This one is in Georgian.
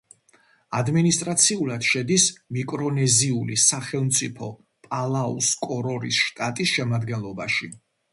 ადმინისტრაციულად შედის მიკრონეზიული სახელმწიფო პალაუს კორორის შტატის შემადგენლობაში.